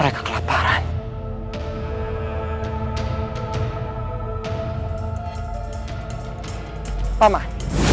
jangan lari paman